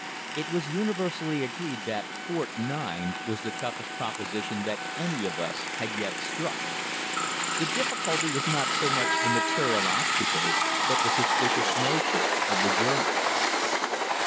It was universally agreed that Fort 9 was the toughest proposition that any of us had yet struck. The difficulty was not so much the material obstacles, but the suspicious nature of the Germans.